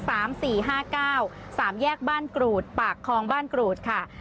สามแยกบ้านกรูดปากคองบ้านกรูดค่ะ